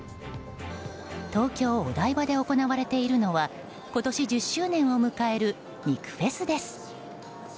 東京・お台場で行われているのは今年１０周年を迎える肉フェスです。